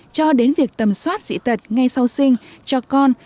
cho đến việc tầm soát dị tật ngay sau sinh cho con